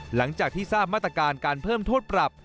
หลังจากที่ทราบมาตรการการเพิ่มโทษปรับ